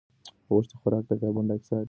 غوښې خوراک د کاربن ډای اکسایډ کچه لوړوي.